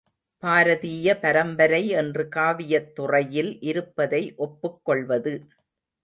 பாரதீய பரம்பரை என்று காவியத்துறையில் இருப்பதை ஒப்புக் கொள்வது.